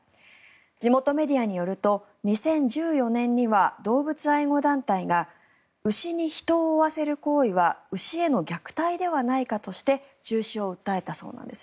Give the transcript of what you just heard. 地元メディアによると２０１４年には動物愛護団体が牛に人を追わせる行為は牛への虐待ではないかとして中止を訴えたそうなんです。